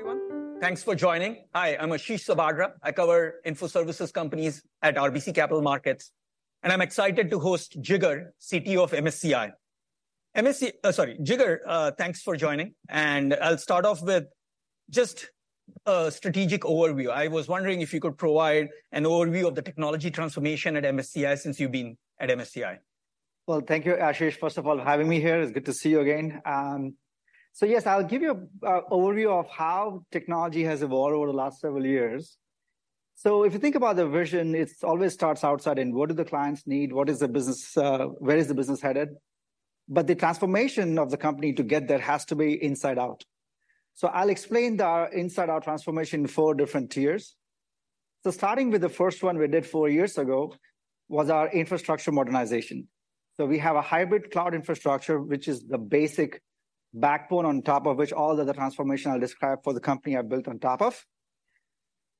Everyone, thanks for joining. Hi, I'm Ashish Sabadra. I cover info services companies at RBC Capital Markets, and I'm excited to host Jigar, CTO of MSCI. MSCI. Sorry, Jigar, thanks for joining. I'll start off with just a strategic overview. I was wondering if you could provide an overview of the technology transformation at MSCI since you've been at MSCI. Well, thank you, Ashish, first of all, for having me here. It's good to see you again. So yes, I'll give you a overview of how technology has evolved over the last several years. So if you think about the vision, it always starts outside in, what do the clients need? What is the business, where is the business headed? But the transformation of the company to get there has to be inside out. So I'll explain the inside-out transformation in four different tiers. So starting with the first one we did four years ago, was our infrastructure modernization. So we have a Hybrid Cloud infrastructure, which is the basic backbone on top of which all of the transformation I'll describe for the company are built on top of.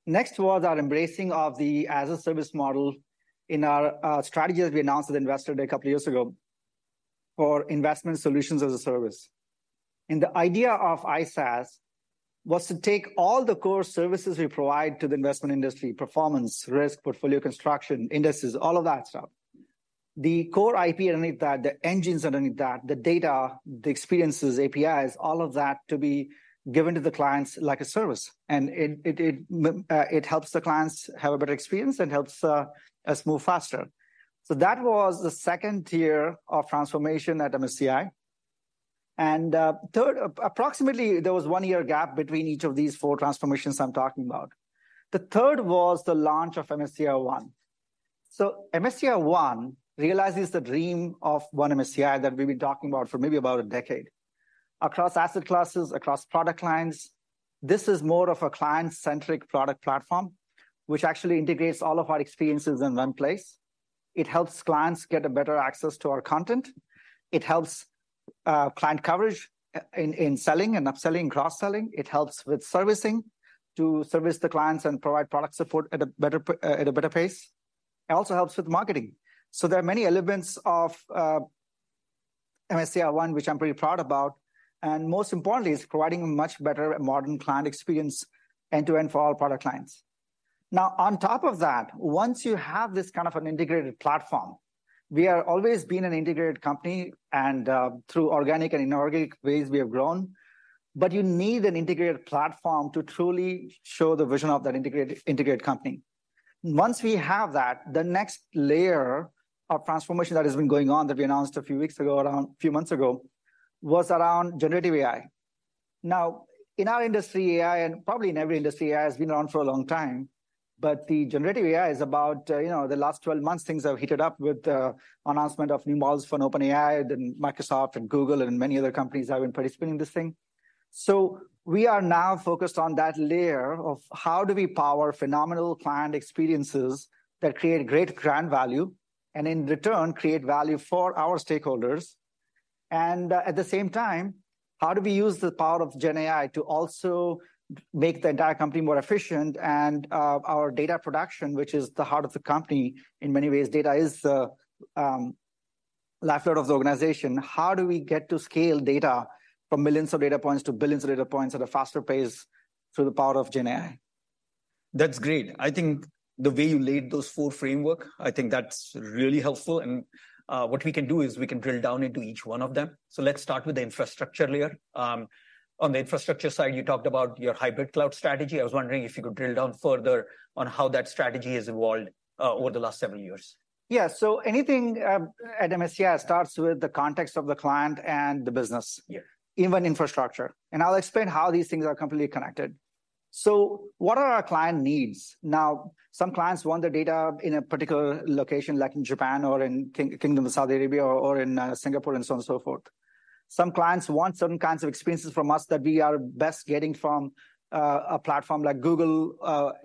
Next was our embracing of the as-a-service model in our strategy that we announced at Investor Day a couple of years ago for Investment Solutions as a Service. The idea of ISaaS was to take all the core services we provide to the investment industry, performance, risk, portfolio construction, indices, all of that stuff. The core IP underneath that, the engines underneath that, the data, the experiences, APIs, all of that to be given to the clients like a service. It helps the clients have a better experience and helps us move faster. So that was the second tier of transformation at MSCI. Third, approximately, there was a one-year gap between each of these four transformations I'm talking about. The third was the launch of MSCI One. So MSCI One realizes the dream of one MSCI that we've been talking about for maybe about a decade. Across asset classes, across product lines, this is more of a client-centric product platform, which actually integrates all of our experiences in one place. It helps clients get a better access to our content. It helps, client coverage in selling and upselling, cross-selling. It helps with servicing, to service the clients and provide product support at a better pace. It also helps with marketing. So there are many elements of, MSCI One, which I'm pretty proud about, and most importantly, it's providing a much better modern client experience end-to-end for all product lines. Now, on top of that, once you have this kind of an integrated platform, we have always been an integrated company, and, through organic and inorganic ways, we have grown, but you need an integrated platform to truly show the vision of that integrated, integrated company. Once we have that, the next layer of transformation that has been going on, that we announced a few weeks ago, around a few months ago, was around Generative AI. Now, in our industry, AI, and probably in every industry, AI has been around for a long time, but the Generative AI is about, you know, the last 12 months, things have heated up with the announcement of new models from OpenAI, then Microsoft and Google and many other companies have been participating in this thing. So we are now focused on that layer of how do we power phenomenal client experiences that create great client value, and in return, create value for our stakeholders. At the same time, how do we use the power of Gen AI to also make the entire company more efficient and our data production, which is the heart of the company? In many ways, data is the lifeblood of the organization. How do we get to scale data from millions of data points to billions of data points at a faster pace through the power of Gen AI? That's great. I think the way you laid those four framework, I think that's really helpful. And what we can do is we can drill down into each one of them. So let's start with the infrastructure layer. On the infrastructure side, you talked about your hybrid cloud strategy. I was wondering if you could drill down further on how that strategy has evolved over the last several years. Yeah. So anything at MSCI starts with the context of the client and the business- Yeah... even infrastructure, and I'll explain how these things are completely connected. So what are our client needs? Now, some clients want their data in a particular location, like in Japan or in Kingdom of Saudi Arabia or in Singapore, and so on and so forth. Some clients want certain kinds of experiences from us that we are best getting from a platform like Google,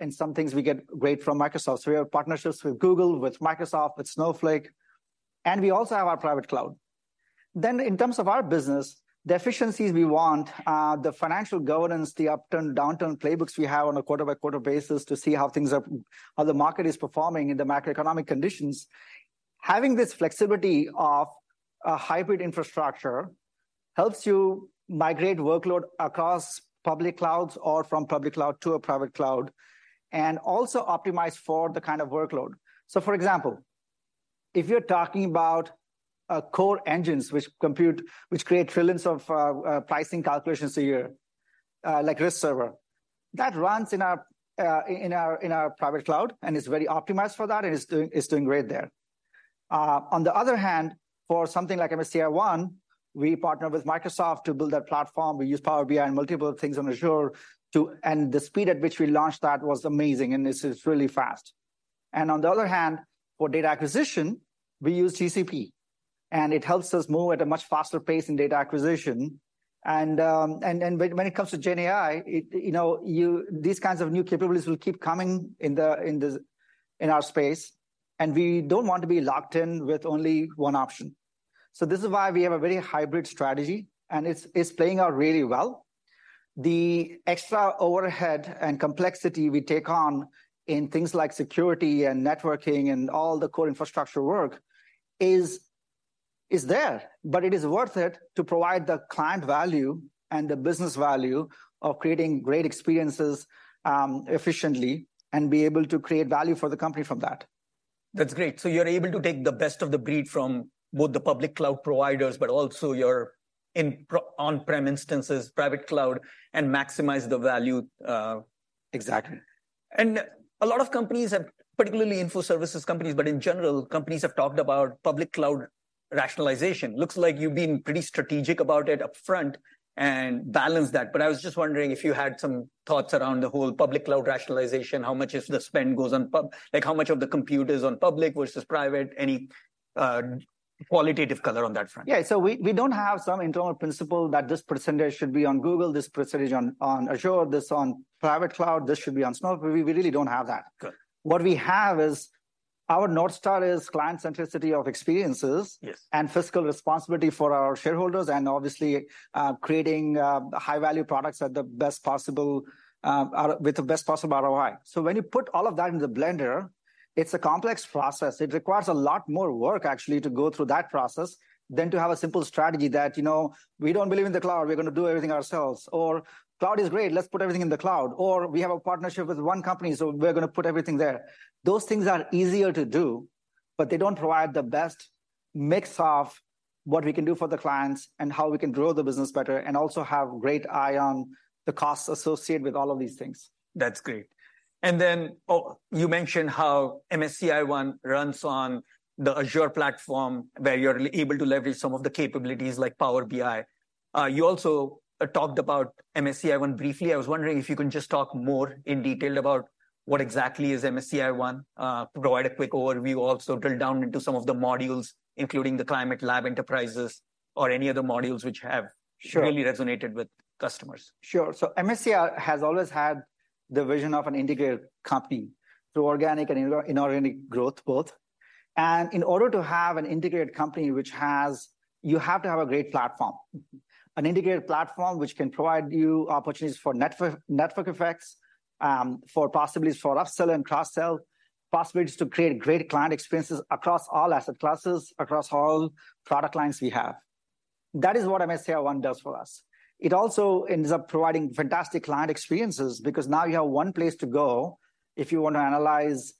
and some things we get great from Microsoft. So we have partnerships with Google, with Microsoft, with Snowflake, and we also have our private cloud. Then in terms of our business, the efficiencies we want, the financial governance, the upturn, downturn playbooks we have on a quarter-by-quarter basis to see how things are, how the market is performing in the macroeconomic conditions. Having this flexibility of a hybrid infrastructure helps you migrate workload across public clouds or from public cloud to a private cloud, and also optimize for the kind of workload. So, for example, if you're talking about core engines which create trillions of pricing calculations a year, like risk server, that runs in our private cloud and is very optimized for that, and it's doing great there. On the other hand, for something like MSCI One, we partner with Microsoft to build that platform. We use Power BI and multiple things on Azure to... And the speed at which we launched that was amazing, and this is really fast. And on the other hand, for data acquisition, we use GCP, and it helps us move at a much faster pace in data acquisition. And when it comes to Gen AI, it, you know, these kinds of new capabilities will keep coming in our space, and we don't want to be locked in with only one option. So this is why we have a very hybrid strategy, and it's playing out really well. The extra overhead and complexity we take on in things like security and networking and all the core infrastructure work is there, but it is worth it to provide the client value and the business value of creating great experiences, efficiently, and be able to create value for the company from that. That's great. So you're able to take the best of the breed from both the public cloud providers, but also your on-prem instances, private cloud, and maximize the value. Exactly. A lot of companies have, particularly info services companies, but in general, companies have talked about public cloud rationalization. Looks like you've been pretty strategic about it upfront and balanced that. But I was just wondering if you had some thoughts around the whole public cloud rationalization. How much of the spend goes on public— Like, how much of the compute is on public versus private? Any qualitative color on that front? Yeah. So we don't have some internal principle that this percentage should be on Google, this percentage on Azure, this on private cloud, this should be on Snowflake. We really don't have that. Good. What we have is our North Star is client centricity of experiences- Yes... and fiscal responsibility for our shareholders, and obviously, creating high-value products at the best possible, with the best possible ROI. So when you put all of that in the blender, it's a complex process. It requires a lot more work, actually, to go through that process than to have a simple strategy that, you know, "We don't believe in the cloud, we're gonna do everything ourselves," or, "Cloud is great, let's put everything in the cloud," or, "We have a partnership with one company, so we're gonna put everything there." Those things are easier to do, but they don't provide the best mix of what we can do for the clients and how we can grow the business better, and also have great eye on the costs associated with all of these things. That's great. And then, oh, you mentioned how MSCI One runs on the Azure platform, where you're able to leverage some of the capabilities like Power BI. You also talked about MSCI One briefly. I was wondering if you can just talk more in detail about what exactly is MSCI One, provide a quick overview. Also, drill down into some of the modules, including the Climate Lab Enterprise or any other modules which have- Sure... really resonated with customers. Sure. So MSCI has always had the vision of an integrated company through organic and inorganic growth both. And in order to have an integrated company which has... You have to have a great platform. An integrated platform which can provide you opportunities for network effects, for possibilities for upsell and cross-sell, possibilities to create great client experiences across all asset classes, across all product lines we have. That is what MSCI One does for us. It also ends up providing fantastic client experiences, because now you have one place to go if you want to analyze,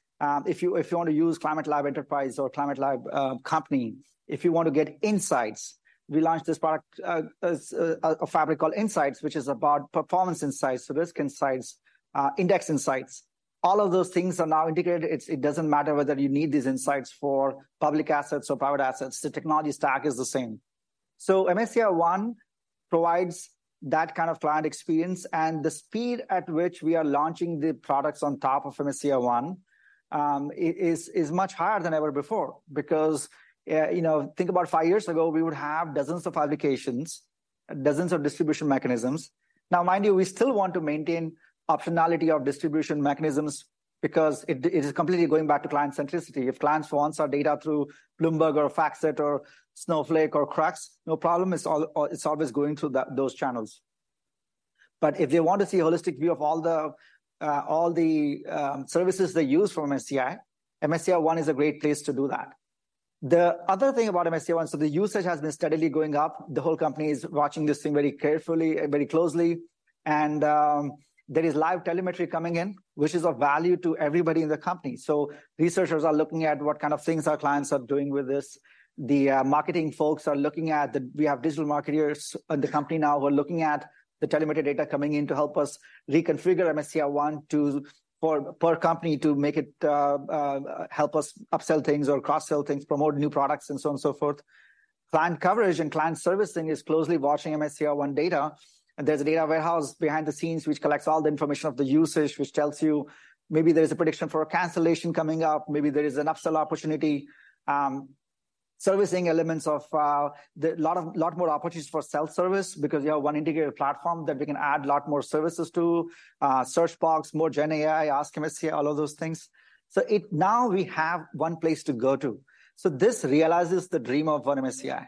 if you want to use Climate Lab Enterprise or Climate Lab, Company. If you want to get insights, we launched this product, as a fabric called Insights, which is about performance insights, risk insights, index insights. All of those things are now integrated. It doesn't matter whether you need these insights for public assets or private assets. The technology stack is the same. So MSCI One provides that kind of client experience, and the speed at which we are launching the products on top of MSCI One is much higher than ever before. Because you know, think about five years ago, we would have dozens of applications, dozens of distribution mechanisms. Now, mind you, we still want to maintain optionality of distribution mechanisms because it is completely going back to client centricity. If clients want our data through Bloomberg or FactSet or Snowflake or Crux, no problem. It's always going through those channels. But if they want to see a holistic view of all the services they use from MSCI, MSCI One is a great place to do that. The other thing about MSCI One, so the usage has been steadily going up. The whole company is watching this thing very carefully, very closely, and, there is live telemetry coming in, which is of value to everybody in the company. So researchers are looking at what kind of things our clients are doing with this. The marketing folks are looking at the... We have digital marketeers in the company now who are looking at the telemetry data coming in to help us reconfigure MSCI One to, for, per company, to make it... Help us upsell things or cross-sell things, promote new products, and so on and so forth. Client coverage and client servicing is closely watching MSCI One data, and there's a data warehouse behind the scenes which collects all the information of the usage, which tells you maybe there's a prediction for a cancellation coming up, maybe there is an upsell opportunity. Servicing elements of lot more opportunities for self-service because you have one integrated platform that we can add a lot more services to. Search box, more gen AI, Ask MSCI, all of those things. So now we have one place to go to. So this realizes the dream of one MSCI.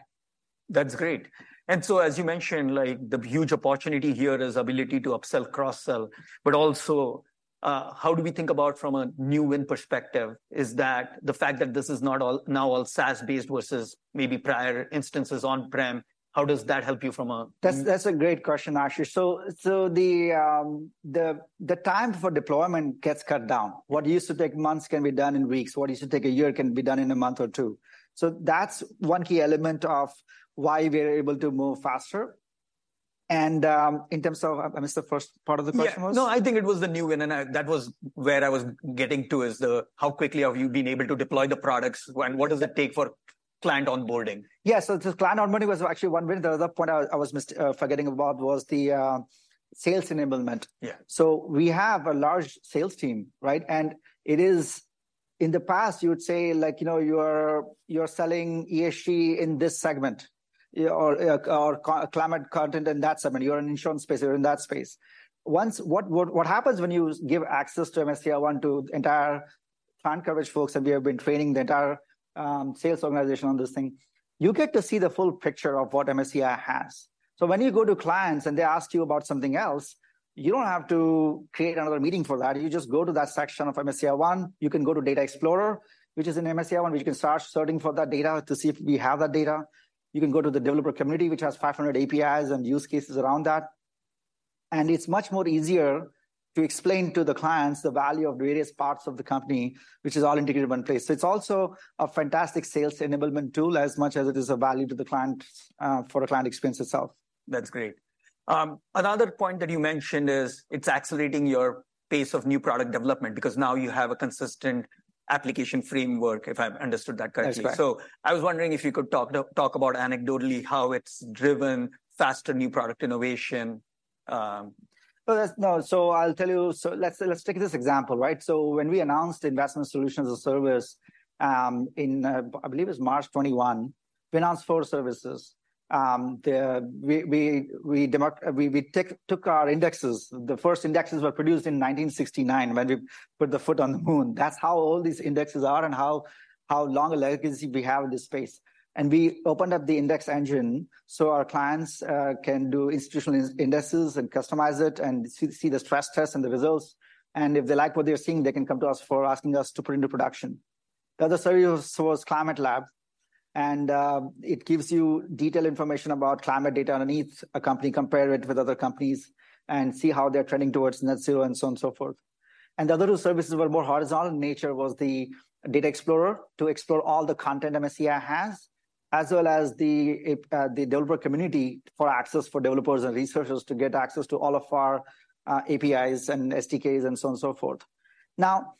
That's great. And so, as you mentioned, like, the huge opportunity here is ability to upsell, cross-sell, but also, how do we think about from a new win perspective? Is that the fact that this is not all, now all SaaS-based versus maybe prior instances on-prem, how does that help you from a- That's a great question, Ashu. So, the time for deployment gets cut down. Mm-hmm. What used to take months can be done in weeks. What used to take a year can be done in a month or two. So that's one key element of why we're able to move faster. And, in terms of, what's the first part of the question was? Yeah. No, I think it was the new win, and that was where I was getting to, is how quickly have you been able to deploy the products, and what does it take for client onboarding? Yeah, so the client onboarding was actually one win. The other point I was forgetting about was the sales enablement. Yeah. So we have a large sales team, right? And it is... In the past, you would say, like, you know, you're, you're selling ESG in this segment, or, or climate content in that segment. You're in insurance space, you're in that space. What happens when you give access to MSCI One to entire client coverage folks, and we have been training the entire, sales organization on this thing, you get to see the full picture of what MSCI has. So when you go to clients and they ask you about something else, you don't have to create another meeting for that. You just go to that section of MSCI One. You can go to Data Explorer, which is in MSCI One, which you can start searching for that data to see if we have that data. You can go to the Developer Community, which has 500 APIs and use cases around that.... and it's much more easier to explain to the clients the value of various parts of the company, which is all integrated in one place. So it's also a fantastic sales enablement tool, as much as it is a value to the client, for the client experience itself. That's great. Another point that you mentioned is it's accelerating your pace of new product development because now you have a consistent application framework, if I've understood that correctly. That's right. I was wondering if you could talk about anecdotally how it's driven faster new product innovation. Well, that's no, so I'll tell you, so let's take this example, right? So when we announced Investment Solutions as a Service, in, I believe it was March 2021, we announced 4 services. We took our indexes. The first indexes were produced in 1969 when we put the foot on the moon. That's how old these indexes are and how long a legacy we have in this space. And we opened up the index engine so our clients can do institutional indexes and customize it, and see the stress test and the results. And if they like what they're seeing, they can come to us for asking us to put into production. The other service was Climate Lab, and it gives you detailed information about climate data underneath a company, compare it with other companies, and see how they're trending towards net zero, and so on, so forth. The other two services were more horizontal in nature, was the Data Explorer, to explore all the content MSCI has, as well as the Developer Community for access for developers and researchers to get access to all of our APIs and SDKs, and so on, so forth. Now,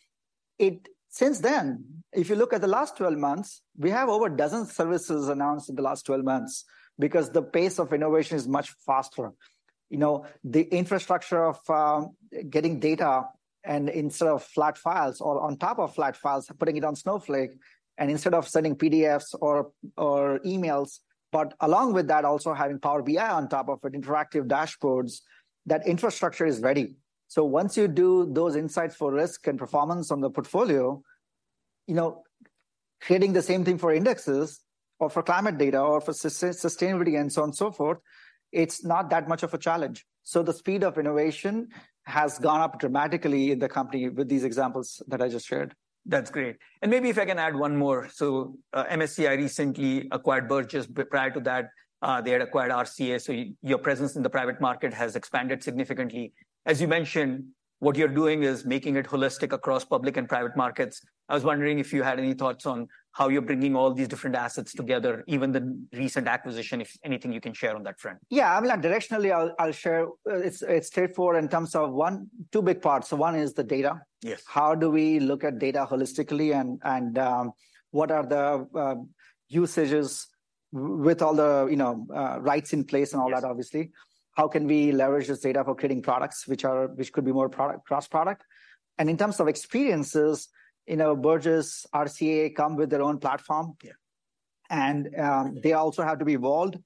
since then, if you look at the last 12 months, we have over a dozen services announced in the last 12 months because the pace of innovation is much faster. You know, the infrastructure of getting data and instead of flat files or on top of flat files, putting it on Snowflake, and instead of sending PDFs or emails, but along with that, also having Power BI on top of it, interactive dashboards, that infrastructure is ready. So once you do those insights for risk and performance on the portfolio, you know, creating the same thing for indexes or for climate data or for sustainability, and so on, so forth, it's not that much of a challenge. So the speed of innovation has gone up dramatically in the company with these examples that I just shared. That's great. And maybe if I can add one more. So, MSCI recently acquired Burgiss. Prior to that, they had acquired RCA, so your presence in the private market has expanded significantly. As you mentioned, what you're doing is making it holistic across public and private markets. I was wondering if you had any thoughts on how you're bringing all these different assets together, even the recent acquisition, if anything you can share on that front. Yeah, I mean, directionally, I'll share. It's straightforward in terms of one-two big parts. So one is the data. Yes. How do we look at data holistically, and what are the usages with all the, you know, rights in place? Yes... and all that, obviously? How can we leverage this data for creating products which could be more product, cross-product? And in terms of experiences, you know, Burgiss, RCA come with their own platform. Yeah. They also have to be evolved.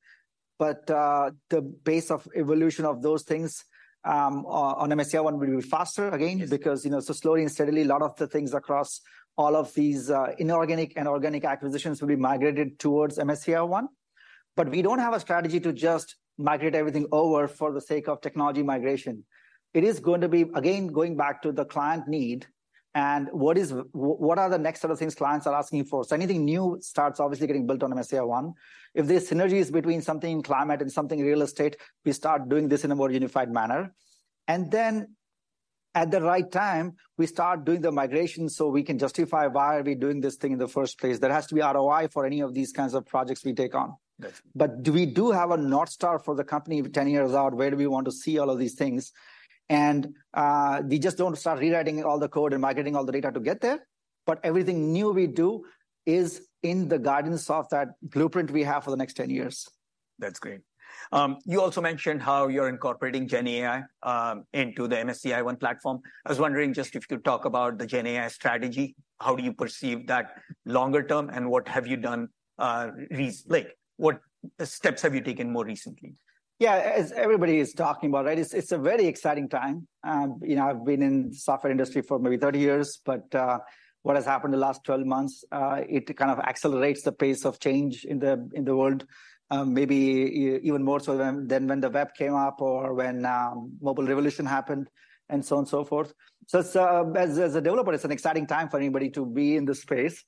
But the pace of evolution of those things on MSCI One will be faster again. Yes... because, you know, so slowly and steadily, a lot of the things across all of these inorganic and organic acquisitions will be migrated towards MSCI One. But we don't have a strategy to just migrate everything over for the sake of technology migration. It is going to be, again, going back to the client need and what are the next set of things clients are asking for? So anything new starts obviously getting built on MSCI One. If there's synergies between something climate and something real estate, we start doing this in a more unified manner. And then, at the right time, we start doing the migration so we can justify why are we doing this thing in the first place. There has to be ROI for any of these kinds of projects we take on. Got you. But we do have a North Star for the company ten years out, where we want to see all of these things. We just don't start rewriting all the code and migrating all the data to get there, but everything new we do is in the guidance of that blueprint we have for the next ten years. That's great. You also mentioned how you're incorporating GenAI into the MSCI One platform. I was wondering just if you could talk about the GenAI strategy. How do you perceive that longer term, and what have you done, what steps have you taken more recently? Yeah, as everybody is talking about, right, it's a very exciting time. You know, I've been in software industry for maybe 30 years, but what has happened in the last 12 months, it kind of accelerates the pace of change in the world. Maybe even more so than when the web came up or when mobile revolution happened, and so on, so forth. So it's, as a developer, it's an exciting time for anybody to be in this space.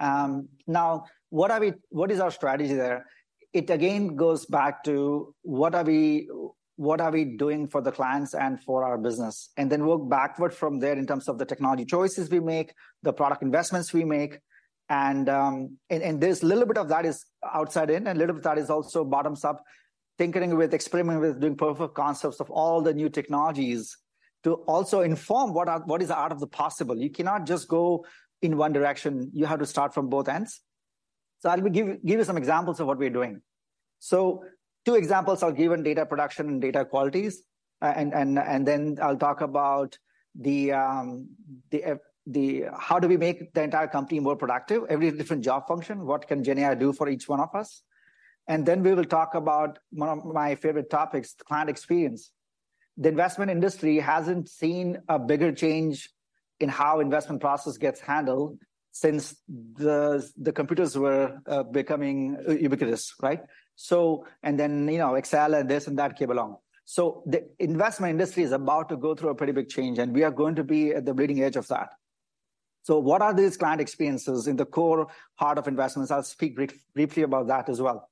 Now, what are we - what is our strategy there? It again goes back to what are we, what are we doing for the clients and for our business? And then work backward from there in terms of the technology choices we make, the product investments we make, and there's a little bit of that is outside in, and a little bit of that is also bottoms up, tinkering with, experimenting with, doing proof of concepts of all the new technologies, to also inform what is out of the possible. You cannot just go in one direction. You have to start from both ends. So I'll give you some examples of what we're doing. So two examples are given, data production and data qualities. And then I'll talk about how we make the entire company more productive. Every different job function, what can GenAI do for each one of us? And then we will talk about one of my favorite topics, the client experience. The investment industry hasn't seen a bigger change in how investment process gets handled since the computers were becoming ubiquitous, right? So, and then, you know, Excel and this and that came along. So the investment industry is about to go through a pretty big change, and we are going to be at the bleeding edge of that. So what are these client experiences in the core heart of investments? I'll speak briefly about that as well.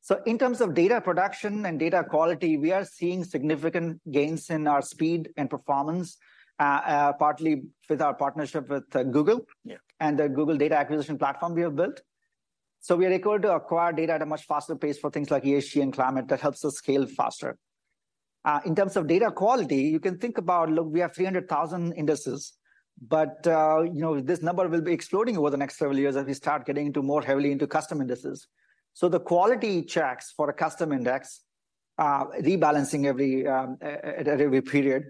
So in terms of data production and data quality, we are seeing significant gains in our speed and performance, partly with our partnership with Google- Yeah and the Google data acquisition platform we have built. So we are able to acquire data at a much faster pace for things like ESG and climate. That helps us scale faster. In terms of data quality, you can think about, look, we have 300,000 indices, but, you know, this number will be exploding over the next several years as we start getting into more heavily into custom indices. So the quality checks for a custom index, rebalancing every at every period,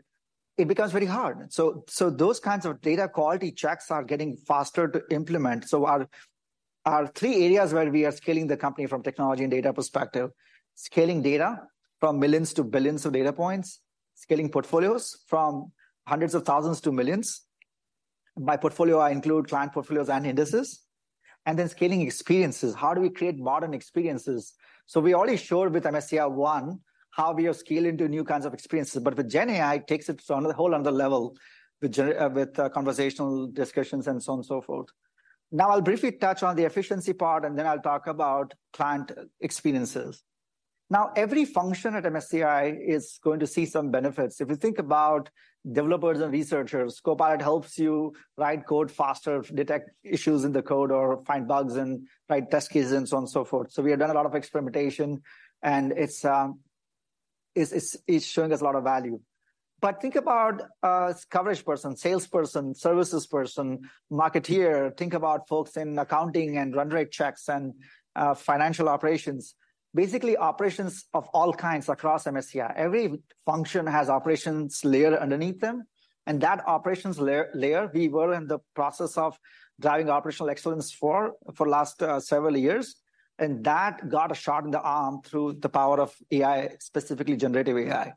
it becomes very hard. So those kinds of data quality checks are getting faster to implement. So our three areas where we are scaling the company from technology and data perspective, scaling data from millions to billions of data points, scaling portfolios from hundreds of thousands to millions. By portfolio, I include client portfolios and indices, and then scaling experiences. How do we create modern experiences? So we already showed with MSCI One how we are scaling to new kinds of experiences, but with Gen AI, it takes it to another whole other level, with conversational discussions and so on and so forth. Now, I'll briefly touch on the efficiency part, and then I'll talk about client experiences. Now, every function at MSCI is going to see some benefits. If you think about developers and researchers, Copilot helps you write code faster, detect issues in the code, or find bugs and write test cases, and so on, so forth. So we have done a lot of experimentation, and it's showing us a lot of value. But think about a coverage person, salesperson, services person, marketer. Think about folks in accounting and run rate checks and, financial operations. Basically, operations of all kinds across MSCI. Every function has operations layer underneath them, and that operations layer we were in the process of driving operational excellence for, for last several years, and that got a shot in the arm through the power of AI, specifically generative AI.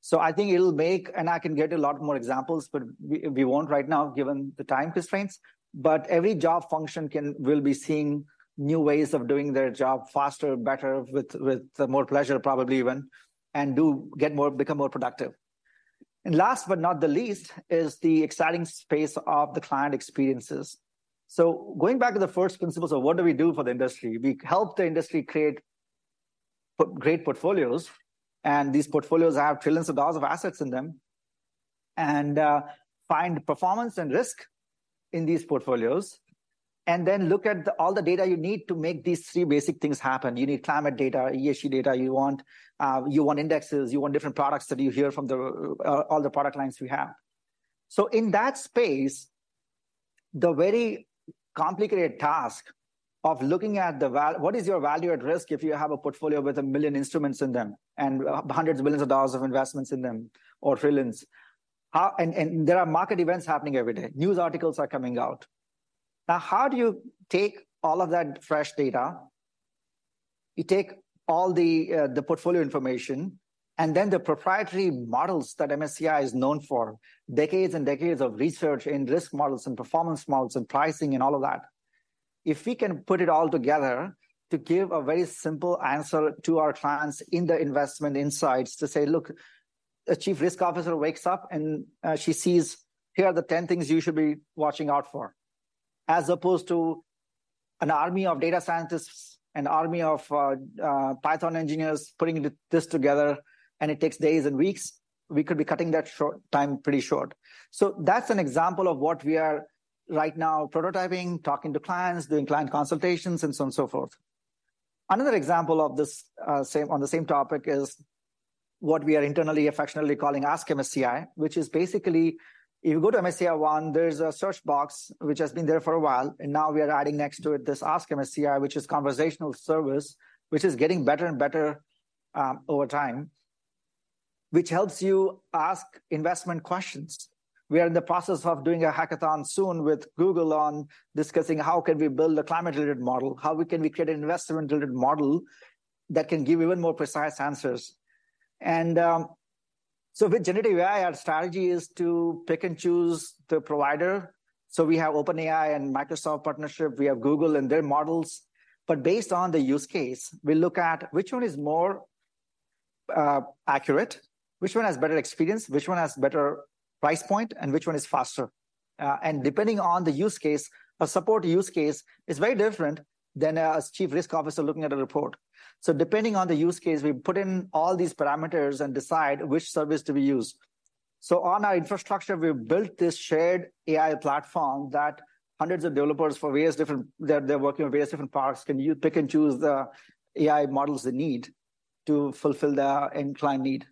So I think it'll make... And I can get a lot more examples, but we, we won't right now, given the time constraints. But every job function will be seeing new ways of doing their job faster, better, with, with more pleasure probably even, and become more productive. And last but not the least is the exciting space of the client experiences. So going back to the first principles of what do we do for the industry? We help the industry create great portfolios, and these portfolios have $trillions of assets in them, and find performance and risk in these portfolios, and then look at all the data you need to make these three basic things happen. You need climate data, ESG data. You want, you want indexes, you want different products that you hear from the, all the product lines we have. So in that space, the very complicated task of looking at what is your value at risk if you have a portfolio with one million instruments in them and $hundreds of billions of investments in them, or $trillions? And, and there are market events happening every day. News articles are coming out. Now, how do you take all of that fresh data, you take all the, the portfolio information, and then the proprietary models that MSCI is known for, decades and decades of research in risk models and performance models and pricing and all of that? If we can put it all together to give a very simple answer to our clients in the investment insights, to say, "Look," a chief risk officer wakes up and, she sees, "Here are the 10 things you should be watching out for." As opposed to an army of data scientists, an army of, Python engineers putting this together, and it takes days and weeks. We could be cutting that short time pretty short. So that's an example of what we are right now prototyping, talking to clients, doing client consultations, and so on so forth. Another example of this, on the same topic, is what we are internally affectionately calling Ask MSCI, which is basically, if you go to MSCI One, there's a search box, which has been there for a while, and now we are adding next to it this Ask MSCI, which is conversational service, which is getting better and better, over time, which helps you ask investment questions. We are in the process of doing a hackathon soon with Google on discussing how can we build a climate-related model, how can we create an investment-related model that can give even more precise answers? And, so with generative AI, our strategy is to pick and choose the provider, so we have OpenAI and Microsoft partnership, we have Google and their models. But based on the use case, we look at which one is more accurate, which one has better experience, which one has better price point, and which one is faster. And depending on the use case, a support use case is very different than as Chief Risk Officer looking at a report. So depending on the use case, we put in all these parameters and decide which service do we use. So on our infrastructure, we've built this shared AI platform that hundreds of developers for various different... They're working on various different parts, can pick and choose the AI models they need to fulfill their end client need.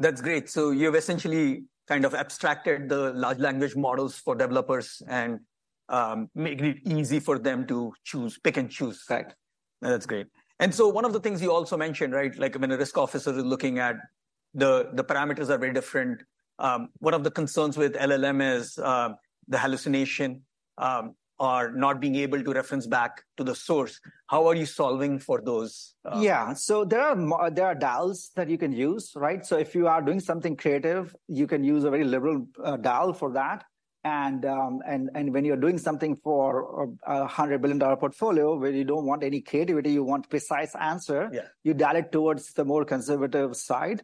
That's great. So you've essentially kind of abstracted the large language models for developers and, making it easy for them to choose, pick and choose. Right. That's great. And so one of the things you also mentioned, right, like when a risk officer is looking at the parameters are very different. One of the concerns with LLM is the hallucination or not being able to reference back to the source. How are you solving for those? Yeah. So there are dials that you can use, right? So if you are doing something creative, you can use a very liberal dial for that. And when you're doing something for a $100 billion portfolio, where you don't want any creativity, you want precise answer- Yeah... you dial it towards the more conservative side...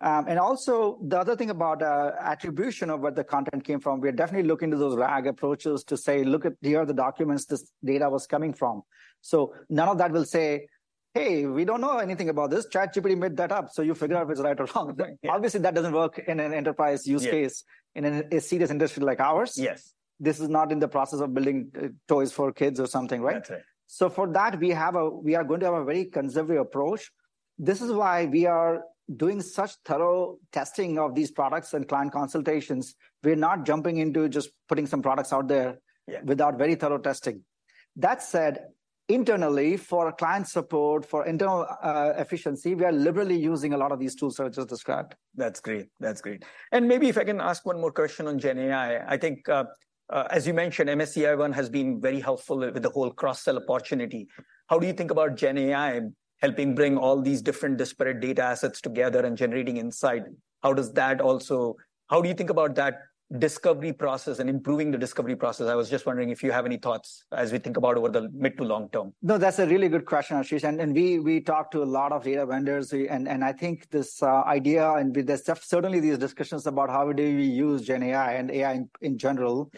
and also the other thing about, attribution of where the content came from, we are definitely looking to those RAG approaches to say, "Look at, here are the documents this data was coming from." So none of that will say, "Hey, we don't know anything about this. ChatGPT made that up, so you figure out if it's right or wrong. Yeah. Obviously, that doesn't work in an enterprise use case. Yeah... in a serious industry like ours. Yes. This is not in the process of building toys for kids or something, right? That's right. So for that, we are going to have a very conservative approach. This is why we are doing such thorough testing of these products and client consultations. We're not jumping into just putting some products out there- Yeah... without very thorough testing. That said, internally, for client support, for internal efficiency, we are liberally using a lot of these tools that I just described. That's great. That's great. And maybe if I can ask one more question on gen AI. I think, as you mentioned, MSCI fund has been very helpful with the whole cross-sell opportunity. How do you think about gen AI helping bring all these different disparate data assets together and generating insight? How does that also... How do you think about that discovery process and improving the discovery process? I was just wondering if you have any thoughts as we think about over the mid to long term. No, that's a really good question, Ashish, and we talk to a lot of data vendors. And I think this idea, and with certainly these discussions about how do we use gen AI and AI in general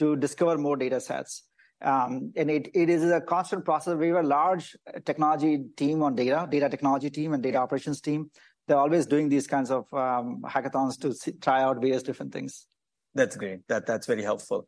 to discover more data sets. And it is a constant process. We have a large technology team on data, data technology team and data operations team. They're always doing these kinds of hackathons to try out various different things. That's great. That, that's very helpful.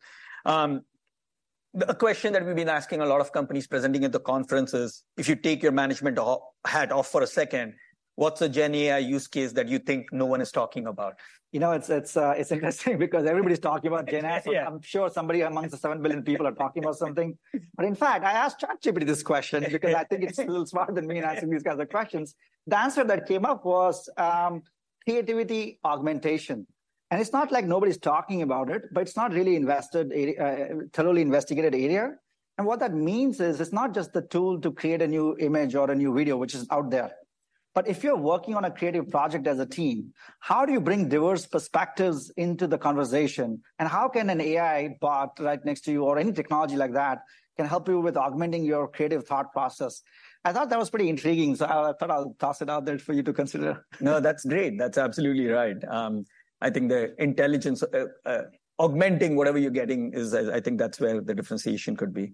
A question that we've been asking a lot of companies presenting at the conference is, if you take your management hat off for a second, what's a Gen AI use case that you think no one is talking about? You know, it's interesting because everybody's talking about Gen AI. Yeah. I'm sure somebody amongst the 7 billion people are talking about something. But in fact, I asked ChatGPT this question- Okay... because I think it's a little smarter than me in answering these kinds of questions. The answer that came up was, creativity augmentation, and it's not like nobody's talking about it, but it's not really invested a thoroughly investigated area. And what that means is, it's not just the tool to create a new image or a new video, which is out there. But if you're working on a creative project as a team, how do you bring diverse perspectives into the conversation? And how can an AI bot right next to you, or any technology like that, can help you with augmenting your creative thought process? I thought that was pretty intriguing, so I, I thought I'll toss it out there for you to consider. No, that's great. That's absolutely right. I think the intelligence augmenting whatever you're getting is, I think that's where the differentiation could be.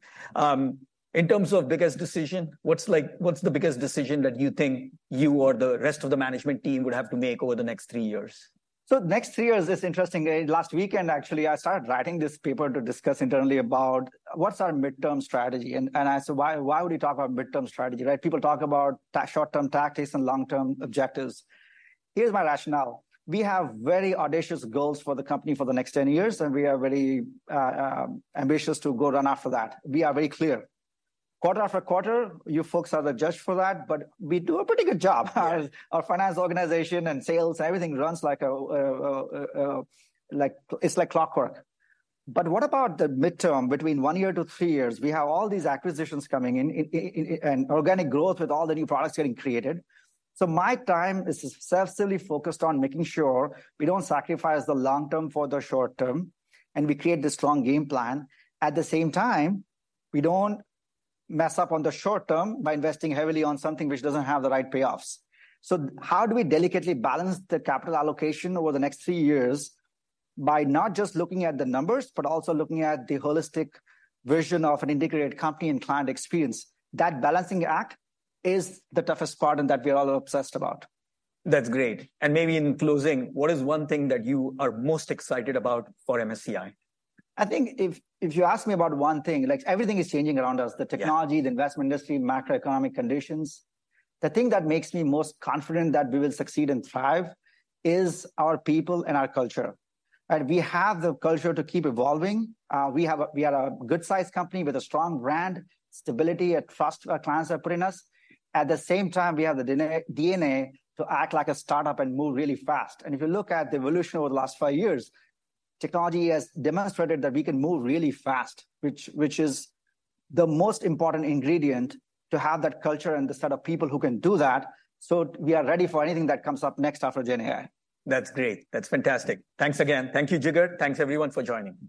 In terms of biggest decision, what's the biggest decision that you think you or the rest of the management team would have to make over the next three years? So next three years, it's interesting. Last weekend, actually, I started writing this paper to discuss internally about what's our midterm strategy, and I said, "Why? Why would we talk about midterm strategy," right? People talk about short-term tactics and long-term objectives. Here's my rationale: We have very audacious goals for the company for the next 10 years, and we are very ambitious to go run after that. We are very clear. Quarter after quarter, you folks are the judge for that, but we do a pretty good job. Yeah. Our finance organization and sales, everything runs like a like... It's like clockwork. But what about the midterm, between 1 year to 3 years? We have all these acquisitions coming in, and organic growth with all the new products getting created. So my time is obsessively focused on making sure we don't sacrifice the long term for the short term, and we create this strong game plan. At the same time, we don't mess up on the short term by investing heavily on something which doesn't have the right payoffs. So how do we delicately balance the capital allocation over the next 3 years by not just looking at the numbers, but also looking at the holistic version of an integrated company and client experience? That balancing act is the toughest part, and that we are all obsessed about. That's great. Maybe in closing, what is one thing that you are most excited about for MSCI? I think if you ask me about one thing, like, everything is changing around us. Yeah... the technology, the investment industry, macroeconomic conditions. The thing that makes me most confident that we will succeed and thrive is our people and our culture, right? We have the culture to keep evolving. We are a good-sized company with a strong brand, stability, and trust our clients have put in us. At the same time, we have the DNA to act like a startup and move really fast, and if you look at the evolution over the last five years, technology has demonstrated that we can move really fast, which is the most important ingredient, to have that culture and the set of people who can do that. So we are ready for anything that comes up next after Gen AI. That's great. That's fantastic. Thanks again. Thank you, Jigar. Thanks, everyone, for joining.